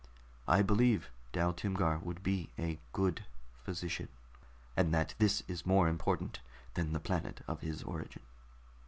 I believe Dal Timgar would be a good physician, and that this is more important than the planet of his origin.